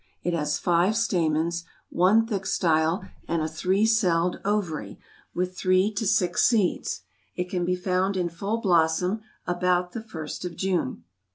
It has five stamens, one thick style and a three celled ovary, with three to six seeds. It can be found in full blossom about the first of June.